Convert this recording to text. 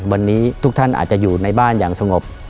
วันนี้ทุกท่านอาจจะอยู่ในบ้านอย่างสงบ